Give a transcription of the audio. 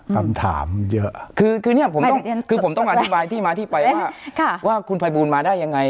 คือผมต้องอธิบายที่มาที่ไปว่าคุณไพบูลมาได้อย่างไร